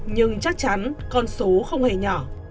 nhưng chắc chắn con số không hề nhỏ